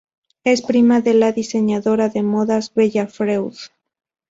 Es prima de la diseñadora de modas "Bella Freud".